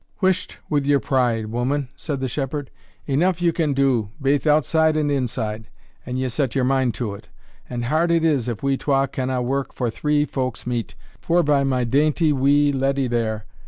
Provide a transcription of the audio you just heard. "Whisht wi' your pride, woman," said the shepherd; "eneugh you can do, baith outside and inside, an ye set your mind to it; and hard it is if we twa canna work for three folk's meat, forby my dainty wee leddy there.